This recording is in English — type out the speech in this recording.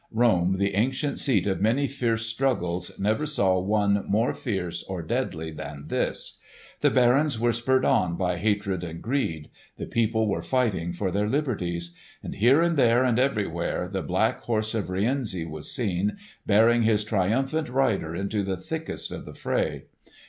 Rome the ancient seat of many fierce struggles never saw one more fierce or deadly than this. The barons were spurred on by hatred and greed. The people were fighting for their liberties. And here and there and everywhere the black horse of Rienzi was seen, bearing his triumphant rider into the thickest of the fray.